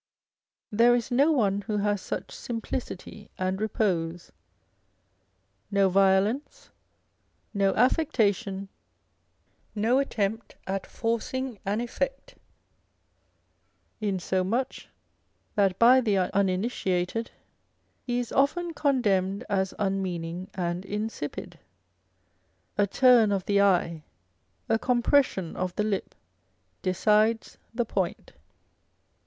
There is no one who has such simplicity and repose â€" no violence, no affectation, no attempt at forcing an effect ; insomuch that by the uninitiated he is often condemned as unmeaning and insipid. A turn of the eye, a compression of the lip decides the point.